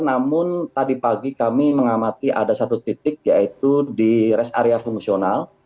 namun tadi pagi kami mengamati ada satu titik yaitu di rest area fungsional